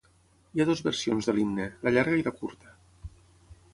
Hi ha dues versions de l'himne: la llarga i la curta.